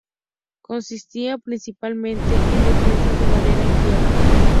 Consistía principalmente en defensas de madera y tierra.